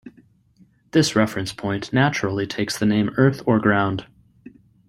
This reference point naturally takes the name earth or ground.